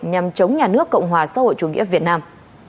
nhằm chống nhà nước cộng hòa xã hội chủ nghĩa việt nam